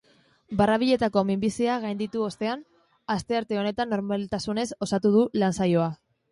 Barrabiletako minbizia gainditu ostean, astearte honetan normaltasunez osatu du lan-saioa.